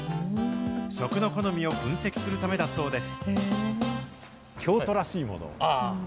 食の好みを分析するためだそうです。